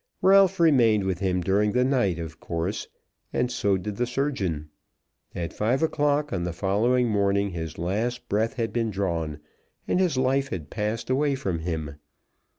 Ralph remained with him during the night, of course, and so did the surgeon. At five o'clock on the following morning his last breath had been drawn, and his life had passed away from him.